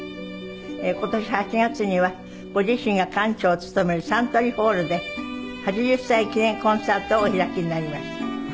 今年８月にはご自身が館長を務めるサントリーホールで「８０歳記念コンサート」をお開きになりました。